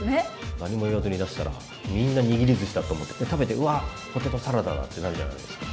何も言わずに出したらみんな握りずしだと思ってで食べてうわっポテトサラダだ！ってなるじゃないですか。